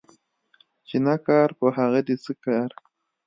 چي نه کار ، په هغه دي څه کار